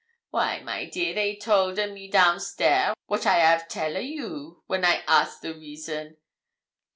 'Why, my dear, they told a me down stair what I have tell a you, when I ask the reason!